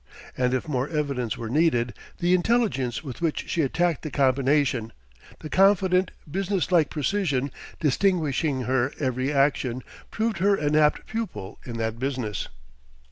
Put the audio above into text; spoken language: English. And if more evidence were needed, the intelligence with which she attacked the combination, the confident, business like precision distinguishing her every action, proved her an apt pupil in that business.